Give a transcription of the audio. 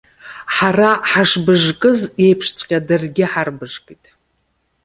Ҳара ҳашбыжкыз еиԥшҵәҟьа даргьы ҳарбыжкит.